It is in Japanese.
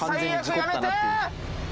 やめて！